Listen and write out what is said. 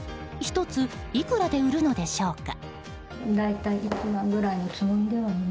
１ついくらで売るのでしょうか。